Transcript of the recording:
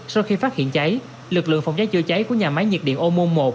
sau khi phát hiện cháy lực lượng phòng cháy chữa cháy của nhà máy nhiệt điện ô môn một